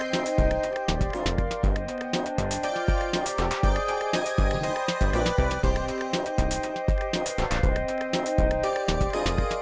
kita juga bisa balik